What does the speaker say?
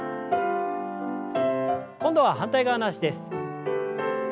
今度は反対側の脚です。